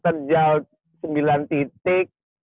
turunannya terjal sembilan titik